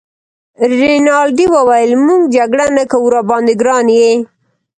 رینالډي وویل: موږ جګړه نه کوو، راباندي ګران يې.